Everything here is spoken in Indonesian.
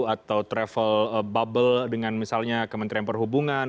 atau travel bubble dengan misalnya kementerian perhubungan